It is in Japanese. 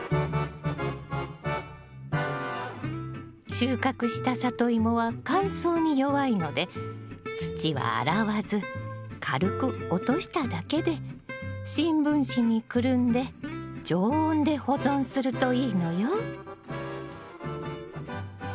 収穫したサトイモは乾燥に弱いので土は洗わず軽く落としただけで新聞紙にくるんで常温で保存するといいのよ。